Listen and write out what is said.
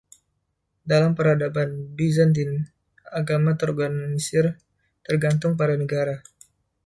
Dalam peradaban Byzantine, agama terorganisir tergantung pada negara.